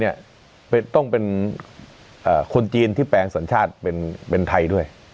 ยังเป็นคนจีนที่แปลงสัญชาติที่เป็นไทย